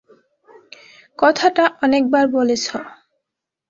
কথাটা অনেকবার বলেছ।